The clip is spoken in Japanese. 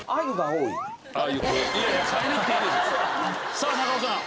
さあ中尾さん。